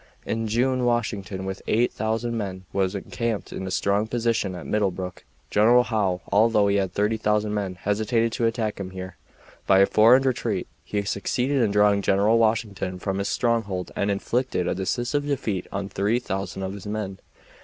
In June Washington with 8000 men was encamped in a strong position at Middlebrook. General Howe, although he had 30,000 men, hesitated to attack him here. By a feigned retreat he succeeded in drawing General Washington from his stronghold and inflicted a decisive defeat on 3000 of his men.